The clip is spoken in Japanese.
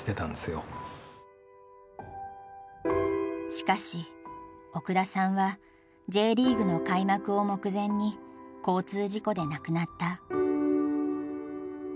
しかし奥田さんはＪリーグの開幕を目前に交通事故で亡くなった。